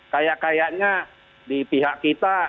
kayak kayaknya di pihak kita